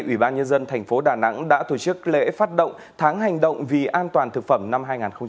ủy ban nhân dân tp đà nẵng đã tổ chức lễ phát động tháng hành động vì an toàn thực phẩm năm hai nghìn một mươi chín